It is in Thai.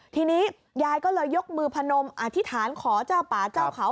ทีนี้ยายก็เลยยกมือพนมอธิษฐานขอเจ้าป่าเจ้าเขา